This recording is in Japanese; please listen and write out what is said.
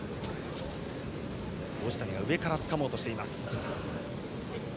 王子谷が上からつかもうとしている。